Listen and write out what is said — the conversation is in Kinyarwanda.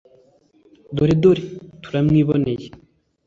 dore dore! turamwiboneye